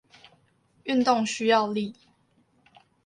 運動需要力